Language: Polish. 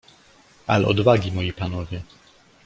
"Ale odwagi, moi panowie!"